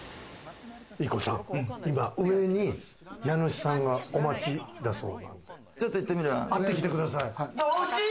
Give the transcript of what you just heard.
ＩＫＫＯさん、今上に家主さんがお待ちだそうなんで、会ってきてください。